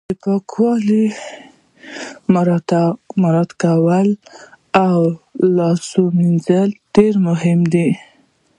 د پاکوالي مراعت کول او لاس مینځل ډیر مهم دي